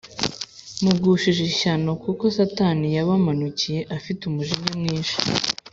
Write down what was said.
mugushije ishyano kuko Satani yabamanukiye afite umujinya mwinshi,